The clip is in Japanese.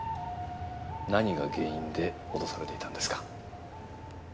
何が原因で脅されていたんですか？